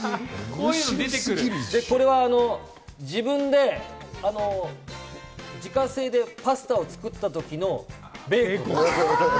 これは自家製でパスタを作ったときのベーコン。